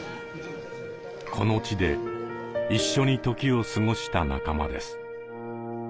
この地で一緒に時を過ごした仲間です。